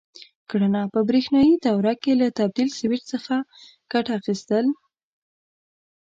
کړنه: په برېښنایي دوره کې له تبدیل سویچ څخه ګټه اخیستل: